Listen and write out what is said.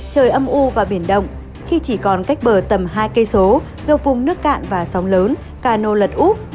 trời âm u và biển động khi chỉ còn cách bờ tầm hai km gồm vùng nước cạn và sóng lớn cano lật úp